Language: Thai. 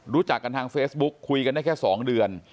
รู้จักกันทางเฟซบุ๊กคุยกันได้แค่๒เดือน